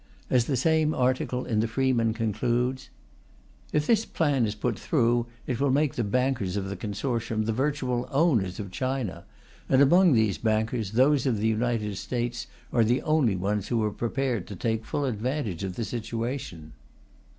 As the same article in the Freeman concludes: If this plan is put through, it will make the bankers of the consortium the virtual owners of China; and among these bankers, those of the United States are the only ones who are prepared to take full advantage of the situation.